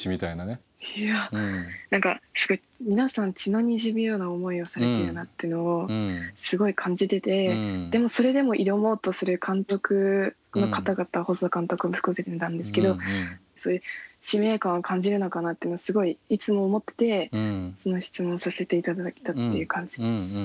いや何かすごい皆さん血のにじむような思いをされているなっていうのをすごい感じててそれでも挑もうとする監督の方々細田監督も含めてなんですけど使命感を感じるのかなってのをすごいいつも思っててこの質問をさせて頂いたっていう感じです。